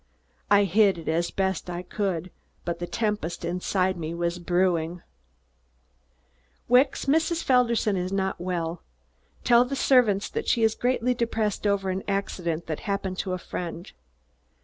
I hid, as best I could, the tempest that was brewing inside me. "Wicks, Mrs. Felderson is not well. Tell the servants that she is greatly depressed over an accident that happened to a friend.